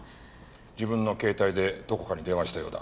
自分の携帯でどこかに電話したようだ。